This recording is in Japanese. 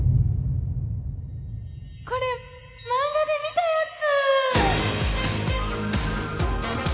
これ漫画で見たやつ！